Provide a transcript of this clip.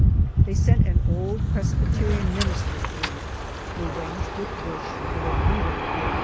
They sent an old Presbyterian minister through, who arranged with Busch for their freedom for $800.